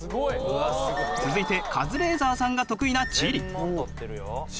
続いてカズレーザーさんが得意な地理。